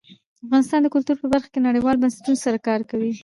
افغانستان د کلتور په برخه کې نړیوالو بنسټونو سره کار کوي.